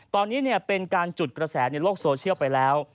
ตอนนี้เป็นการจุดกระแสในโลกโซเชียลไปแล้ว